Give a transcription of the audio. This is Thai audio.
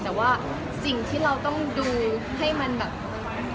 แต่ไม่ถึงว่าเราก็อาจจะกลับมาดูจิตใจเราเองก่อน